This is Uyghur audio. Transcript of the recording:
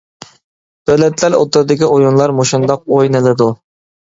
دۆلەتلەر ئوتتۇرىدىكى ئويۇنلار مۇشۇنداق ئوينىلىدۇ.